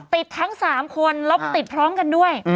ติดทั้ง๓คนแล้วติดพร้อมกันด้วย